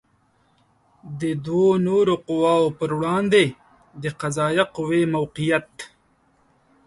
د دوو نورو قواوو پر وړاندې د قضائیه قوې موقعیت